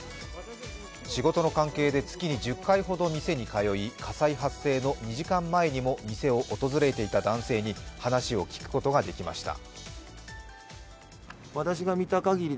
仕事の関係で月に１０回ほど店に通い火災発生の２時間ほど前にも店を訪れていた男性に話を聞くことができました。